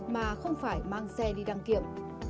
mà không phải mang xe đi đăng kiểm